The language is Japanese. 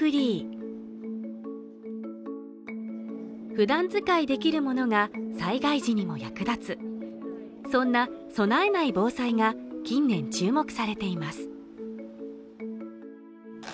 普段使いできるものが災害時にも役立つそんな備えない防災が近年注目されています